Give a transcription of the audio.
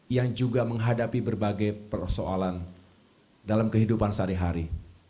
yang juga menghadapi berbagai persoalan dalam kehidupan sehari hari